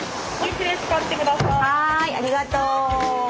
はいありがとう！